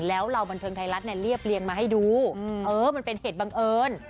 แล้วเราบันเทิงไทยรัฐเนี่ยเรียบเรียงมาให้ดูเออมันเป็นเหตุบังเอิญ